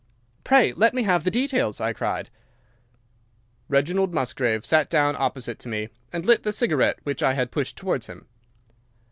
"'Pray, let me have the details,' I cried. "Reginald Musgrave sat down opposite to me, and lit the cigarette which I had pushed towards him.